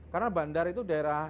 karena bandar itu daerah